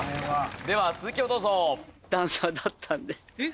では続きをどうぞ。